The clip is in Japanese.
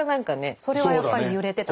それはやっぱり揺れてた。